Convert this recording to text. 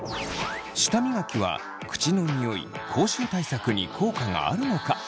舌磨きは口のニオイ口臭対策に効果があるのか？